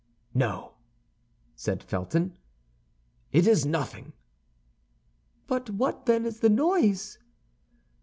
"No," said Felton, "it is nothing." "But what, then, is the noise?"